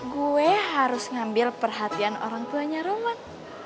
gue harus ngambil perhatian orang tuanya romo